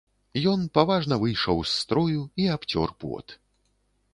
Ён паважна выйшаў з строю і абцёр пот.